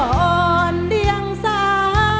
อ่อนเดียงสา